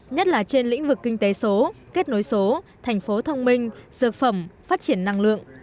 nhất là trên lĩnh vực kinh tế số kết nối số thành phố thông minh dược phẩm phát triển năng lượng